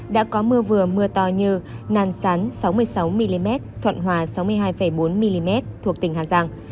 đã có mưa vừa mưa to như nan sán sáu mươi sáu mm thuận hòa sáu mươi hai bốn mm thuộc tỉnh hà giang